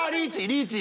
リーチ？